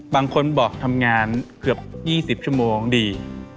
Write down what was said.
บางคนบอกทำงานเกือบ๒๐ชั่วโมงดี